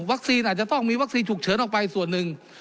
อาจจะต้องมีวัคซีนฉุกเฉินออกไปส่วนหนึ่ง